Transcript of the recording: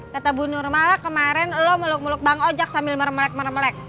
kata bu nurmala kemarin lo meluk meluk bang ojek sambil meremelek meremlek